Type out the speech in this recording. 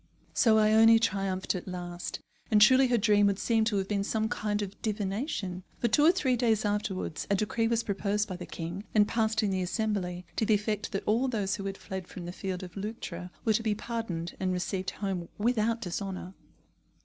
So Ione triumphed at last. And truly her dream would seem to have been some kind of divination, for, two or three days afterwards, a decree was proposed by the king, and passed in the Assembly, to the effect that all those who had fled from the field of Leuctra were to be pardoned and received home without dishonour.